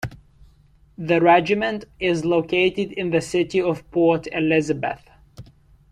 The Regiment is located in the city of Port Elizabeth.